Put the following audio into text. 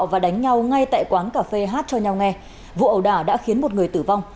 và đánh nhau ngay tại quán cà phê hát cho nhau nghe vụ ẩu đả đã khiến một người tử vong